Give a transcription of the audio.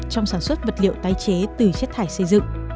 trong sản xuất vật liệu tái chế từ chất thải xây dựng